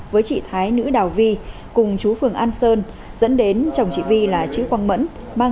với chị thái nữ đào vi cùng chú phường an sơn dẫn đến chồng chị vi là chữ quang mẫn